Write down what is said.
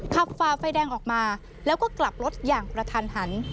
ฝ่าไฟแดงออกมาแล้วก็กลับรถอย่างกระทันหัน